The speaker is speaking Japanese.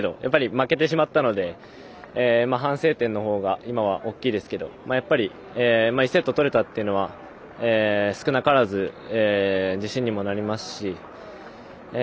負けてしまったので反省点の方が今は大きいですけどやっぱり１セット取れたのが少なからず自信にもなりますし。